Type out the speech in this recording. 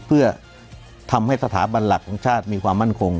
เพื่อทำให้สถาบันหลักของชาติมีความมั่นคง